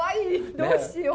どうしよう。